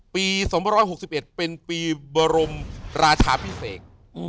ปี๒๖๑เป็นปีบรมราชาพิเศษ